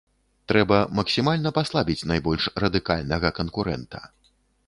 Трэба максімальна паслабіць найбольш радыкальнага канкурэнта.